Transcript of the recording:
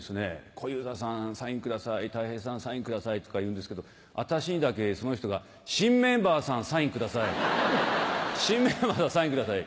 「小遊三さんサインくださいたい平さんサインください」とか言うんですけど私にだけその人が「新メンバーさんサインください新メンバーさんサインください」。